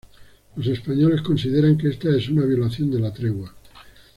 Los españoles consideran que esta es una violación de la tregua.